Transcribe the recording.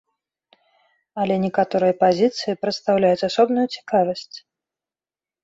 Але некаторыя пазіцыі прадстаўляюць асобную цікавасць.